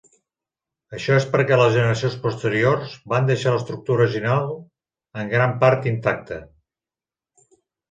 Això és perquè les generacions posteriors van deixar l'estructura original en gran part intacta.